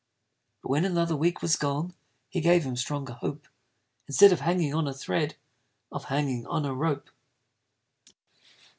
But when another week was gone, He gave him stronger hope Instead of hanging on a thread, Of hanging on a rope.